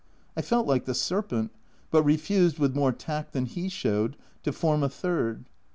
I felt like the serpent ; but refused, with more tact than he showed, to form a third.